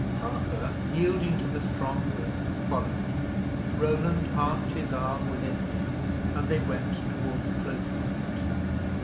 Arthur, yielding to the strong will, followed. Roland passed his arm within his, and they went towards Close Street.